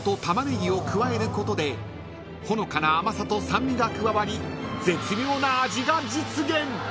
［加えることでほのかな甘さと酸味が加わり絶妙な味が実現］